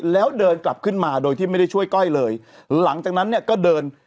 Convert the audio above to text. แล้วเดินกลับขึ้นมาโดยที่ไม่ได้ช่วยก้อยเลยหลังจากนั้นเนี่ยก็เดิน